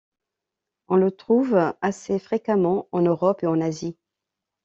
On le trouve assez fréquemment en Europe et en Asie.